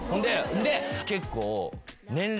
で結構。